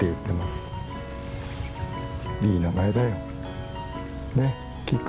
いい名前だよ。ね